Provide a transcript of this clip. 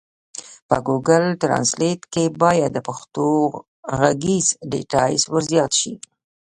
په ګوګل ټرانزلېټ کي بايد د پښتو ږغيز ډيټابيس ورزيات سي.